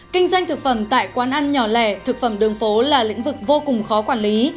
kinh doanh thực phẩm tại quán ăn nhỏ lẻ thực phẩm đường phố là lĩnh vực vô cùng khó quản lý